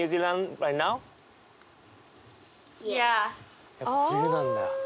Ｙｅｓ．やっぱ冬なんだ。